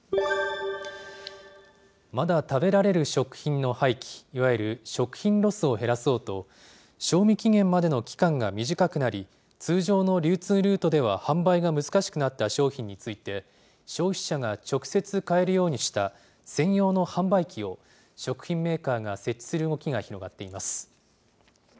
まだ食べられる食品の廃棄、いわゆる食品ロスを減らそうと、賞味期限までの期間が短くなり、通常の流通ルートでは販売が難しくなった商品について、消費者が直接買えるようにした専用の販売機を食品メーカーが設置する動きが広がっています。